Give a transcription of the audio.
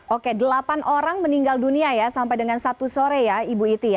oke delapan orang meninggal dunia ya sampai dengan sabtu sore ya ibu iti ya